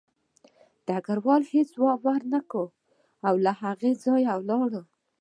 ډګروال هېڅ ځواب ورنکړ او له هغه ځایه لاړ